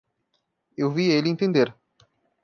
Eu vi ele entender.